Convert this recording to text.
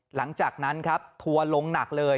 หลังจากนั้นครับทัวร์ลงหนักเลย